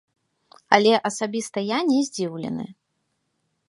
Але асабіста я не здзіўлены.